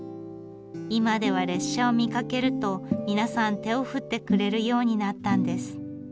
今では列車を見かけると皆さん手を振ってくれるようになったんです。